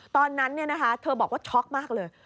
ตอนนั้นเธอบอกว่าช็อกมากเลย